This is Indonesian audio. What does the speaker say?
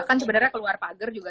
kan sebenarnya keluar pagar juga